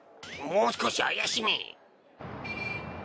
もう少し怪しめ！